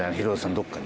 どこかに。